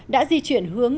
đã di chuyển hướng